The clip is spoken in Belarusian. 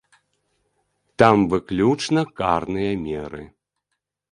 Там выключна карныя меры.